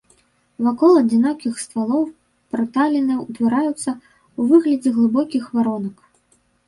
Вакол адзінокіх ствалоў праталіны ўтвараюцца ў выглядзе глыбокіх варонак.